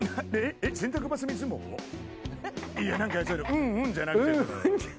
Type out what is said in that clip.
「うんうん」じゃなくて。